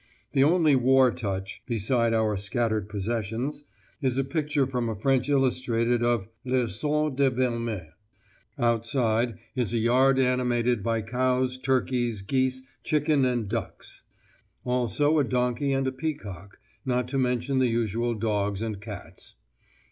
The only war touch (beside our scattered possessions) is a picture from a French Illustrated of L'Assaut de Vermelles. Outside is a yard animated by cows, turkeys, geese, chicken, and ducks: also a donkey and a peacock, not to mention the usual dogs and cats.